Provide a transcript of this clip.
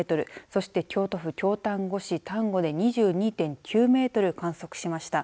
そして、京都府京丹後市丹後で２２．９メートルを観測しました。